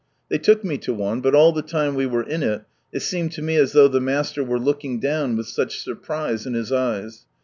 They took me to one, but all the time we were in it, it seemed to me as though the Master were looking down with such surprise in His eyes.